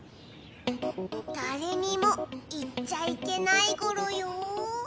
だれにも言っちゃいけないゴロよ！